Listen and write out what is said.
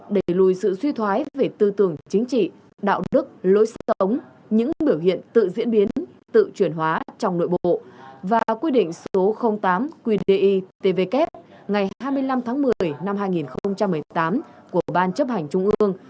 đẩy lùi sự suy thoái về tư tưởng chính trị đạo đức lối sống những biểu hiện tự diễn biến tự chuyển hóa trong nội bộ và quy định số tám quy định i tvk ngày hai mươi năm tháng một mươi năm hai nghìn một mươi tám của ban chấp hành trung ương